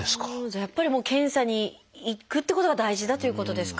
じゃあやっぱり検査に行くってことが大事だということですか？